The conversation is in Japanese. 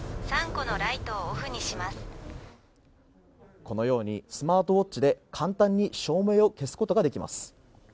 ３個のライトをこのようにスマートウォッチで簡単に照明を消すことができます。